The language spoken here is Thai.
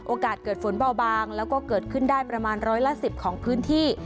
เกิดฝนเบาบางแล้วก็เกิดขึ้นได้ประมาณร้อยละ๑๐ของพื้นที่